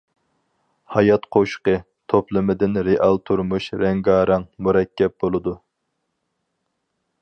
‹ ‹ھايات قوشۇقى› › توپلىمىدىن. رېئال تۇرمۇش رەڭگارەڭ، مۇرەككەپ بولىدۇ.